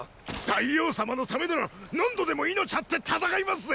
大王様のためなら何度でも命張って戦いますぜ！